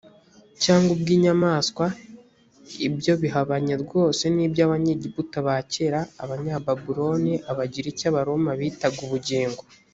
cyangwa ubw inyamaswa ibyo bihabanye rwose n ibyo abanyegiputa ba kera abanyababuloni abagiriki abaroma bitaga ubugingo